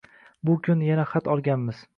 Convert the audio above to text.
Bu kun yana xat olganmiz